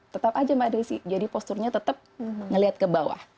tetap aja mbak desi jadi posturnya tetap melihat ke bawah